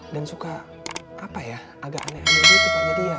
dan suka apa ya agak aneh aneh gitu panggil dia